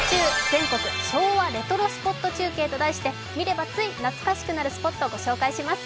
全国昭和レトロスポット中継」と題して見れば、つい懐かしくなるスポットご紹介します。